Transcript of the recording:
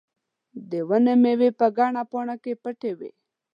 د ونې مېوې په ګڼه پاڼه کې پټې وې.